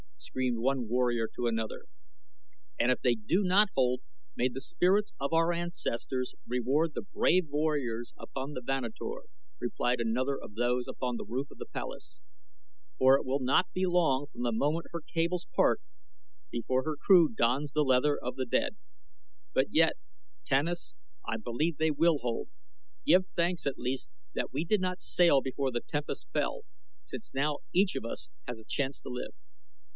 screamed one warrior to another. "And if they do not hold may the spirits of our ancestors reward the brave warriors upon the Vanator," replied another of those upon the roof of the palace, "for it will not be long from the moment her cables part before her crew dons the leather of the dead; but yet, Tanus, I believe they will hold. Give thanks at least that we did not sail before the tempest fell, since now each of us has a chance to live."